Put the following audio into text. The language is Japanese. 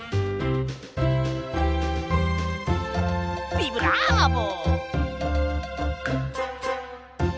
ビブラーボ！